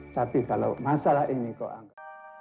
tapi kalau masalah ini kau